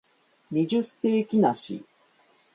二十世紀梨